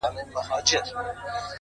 تا به د سونډو په سرونو آله زار وتړی-